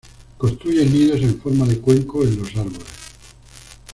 Construyen nidos en forma de cuenco en los árboles.